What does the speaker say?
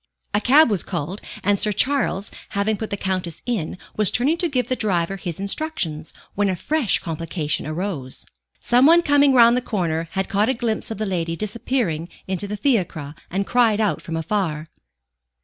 A cab was called, and Sir Charles, having put the Countess in, was turning to give the driver his instructions, when a fresh complication arose. Some one coming round the corner had caught a glimpse of the lady disappearing into the fiacre, and cried out from afar.